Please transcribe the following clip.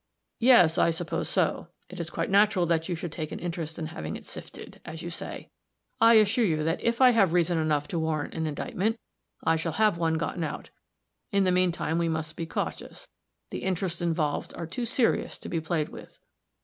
"Yes, I suppose so. It is quite natural that you should take an interest in having it sifted, as you say. I assure you that if I have reason enough to warrant an indictment, I shall have one gotten out. In the mean time we must be cautious the interests involved are too serious to be played with."